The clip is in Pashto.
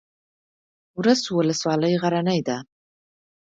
ورس ولسوالۍ غرنۍ ده؟